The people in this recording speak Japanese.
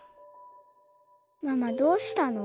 ママどうしたの？